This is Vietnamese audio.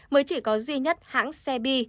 mới chỉ có duy nhất hãng xe bi